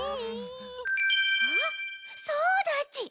あっそうだち！